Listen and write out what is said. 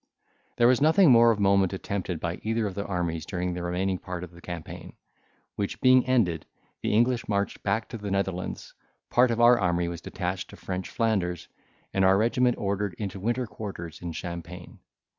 There was nothing more of moment attempted by either of the armies during the remaining part of the campaign, which being ended, the English marched back to the Netherlands; part of our army was detached to French Flanders, and our regiment ordered into winter quarters in Champagne.